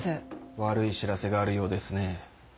悪い知らせがあるようですね。